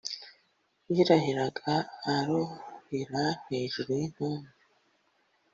yirahiraga arohera hejuru y’intumbi